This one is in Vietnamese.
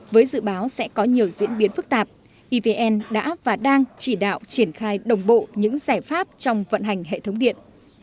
với dự báo sẽ có nhiều diễn biến phức tạp evn đã và đang chỉ đạo triển khai đồng bộ những giải pháp trong vận hành hệ thống điện